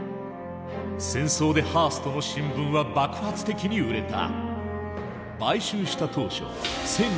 戦争でハーストの新聞は爆発的に売れた。